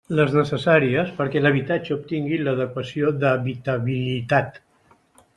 Les necessàries perquè l'habitatge obtingui l'adequació d'habitabilitat.